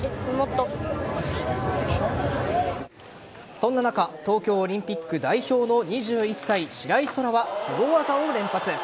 そんな中東京オリンピック代表の２１歳白井空良はスゴ技を連発。